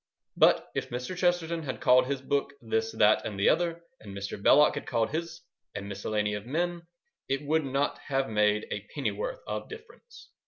But if Mr. Chesterton had called his book This, That, and the Other and Mr. Belloc had called his A Miscellany of Men, it would not have made a pennyworth of difference.